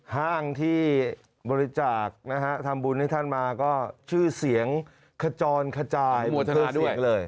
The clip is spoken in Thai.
ห้างที่บริจาคทำบุญให้ท่านมาก็ชื่อเสียงขจรขจายเพิ่มเสียงเลย